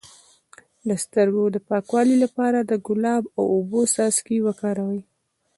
د سترګو د پاکوالي لپاره د ګلاب او اوبو څاڅکي وکاروئ